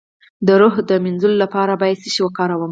د روح د مینځلو لپاره باید څه شی وکاروم؟